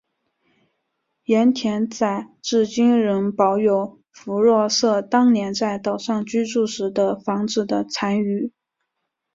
盐田仔至今仍保有福若瑟当年在岛上居住时的房子的残余。